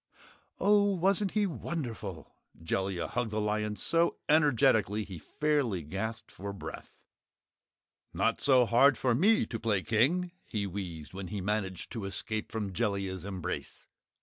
"Oh, wasn't he WONDERFUL?" Jellia hugged the lion so energetically he fairly gasped for breath. "Not so hard for ME to play King," he wheezed when he managed to escape from Jellia's embrace.